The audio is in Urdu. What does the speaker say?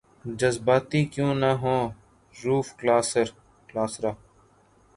جذباتی کیوں نہ ہوں رؤف کلاسرا